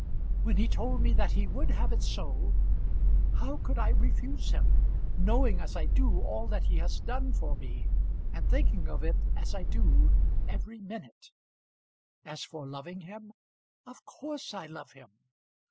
When he told me that he would have it so, how could I refuse him, knowing as I do all that he has done for me, and thinking of it as I do every minute? As for loving him, of course I love him.